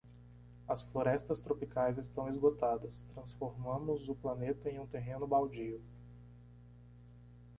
As florestas tropicais estão esgotadas? transformamos o planeta em um terreno baldio.